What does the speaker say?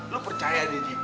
lu percaya deh ji